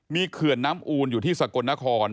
มีเขื่อนน้ำอูนอยู่ที่สกลนคร